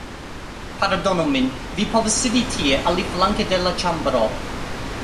Pardonu min vi povas sidi tie aliflanke de la ĉambro!